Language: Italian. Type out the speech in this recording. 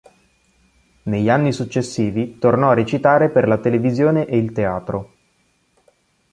Negli anni successivi tornò a recitare per la televisione e il teatro.